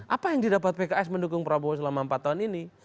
apa yang didapat pks mendukung prabowo selama empat tahun ini